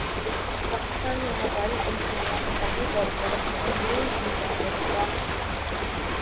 پاکستان میں موبائل کمپنیاں مقامی طور پر اسمبلنگ کی جانب گامزن